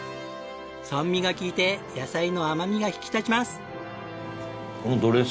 酸味が利いて野菜の甘みが引き立ちます！